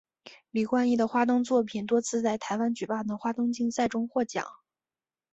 李冠毅的花灯作品多次在台湾举办的花灯竞赛中获奖。